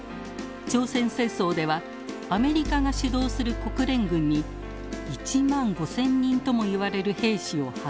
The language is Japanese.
朝鮮戦争ではアメリカが主導する国連軍に１万５，０００人ともいわれる兵士を派遣。